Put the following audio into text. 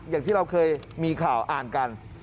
อย่างที่เราเคยมีข่าวอ่านกัน